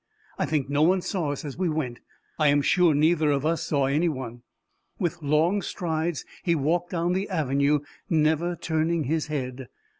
I think no one saw us as we went; I am sure neither of us saw any one. With long strides he walked down the avenue, never turning his head.